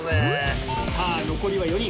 さぁ残りは４人。